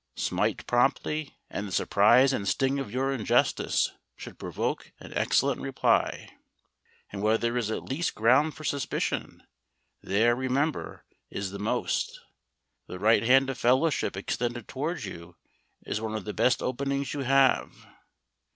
Smite promptly, and the surprise and sting of your injustice should provoke an excellent reply. And where there is least ground for suspicion, there, remember, is the most. The right hand of fellowship extended towards you is one of the best openings you have.